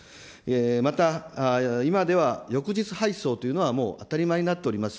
また、今では翌日配送というのは、もう当たり前になっております。